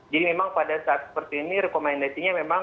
jadi memang pada saat seperti ini rekomendasi nya memang